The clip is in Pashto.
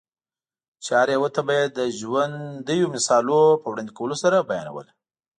چي هره یوه به یې د ژوندییو مثالو په وړاندي کولو سره بیانوله؛